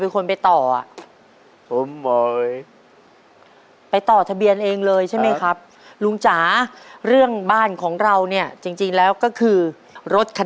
ใครเป็นคนไปต่ออ่ะ